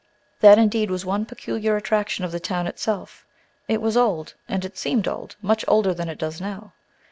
That, indeed, was one peculiar attraction of the town itself; it was old, and it seemed old, much older than it does now.